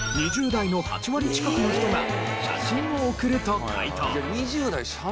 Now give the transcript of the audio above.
２０代の８割近くの人が写真を送ると回答。